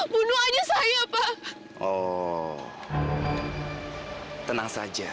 bunuh aja saya pak